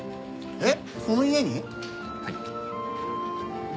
えっ？